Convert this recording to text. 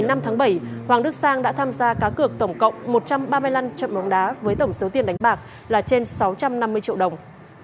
ngày năm tháng bảy hoàng đức sang đã tham gia cá cược tổng cộng một trăm ba mươi năm trận bóng đá với tổng số tiền đánh bạc là trên sáu trăm năm mươi triệu đồng